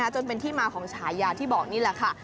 จนเป็นที่มาของฉายาที่บอกนี่แหละค่ะ